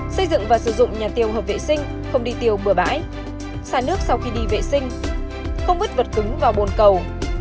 xây dựng và sử dụng nhà tiêu hợp vệ sinh không đi tiêu bừa bãi xả nước sau khi đi vệ sinh không vứt vật cứng vào bồn cầu